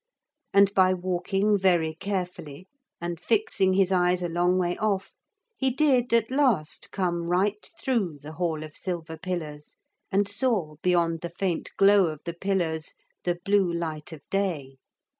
And by walking very carefully and fixing his eyes a long way off, he did at last come right through the hall of silver pillars, and saw beyond the faint glow of the pillars the blue light of day.